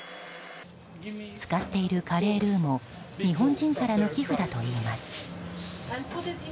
使っているカレールーも日本人からの寄付だといいます。